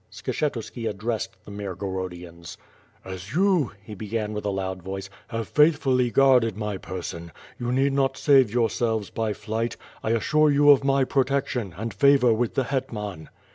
Skshetuski addressed the Mirogodians. "As you," he began with a loud voice, "have faithfully guarded my person, you need not save yourselves by flight. I assure you of my protection, and favor with the hetman."